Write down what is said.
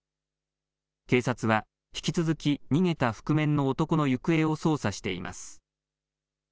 警察は引き続き、逃げた覆面の男の行方を捜査しています。